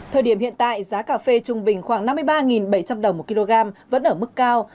thời điểm hiện tại giá cà phê trung bình khoảng năm mươi ba bảy trăm linh đồng một kg vẫn ở mức cao